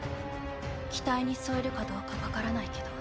期待に沿えるかどうか分からないけど。